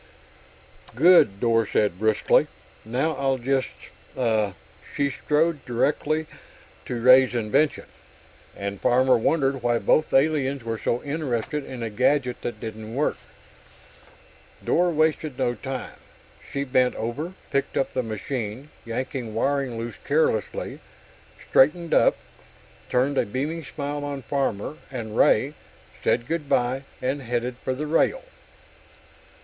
"Good!" Dor said, briskly. "Now, I'll just.... Ah!" She strode directly to Ray's invention, and Farmer wondered why both the aliens were so interested in a gadget that didn't work. Dor wasted no time. She bent over, picked up the machine, yanking wiring loose carelessly, straightened up, turned a beaming smile on Farmer and Ray, said "Goodbye," and headed for the rail.